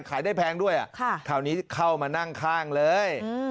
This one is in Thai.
ขายได้แพงด้วยคราวนี้เข้ามานั่งข้างเลย